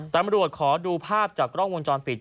ตำรวจขอดูภาพจากกล้องวงจรปิด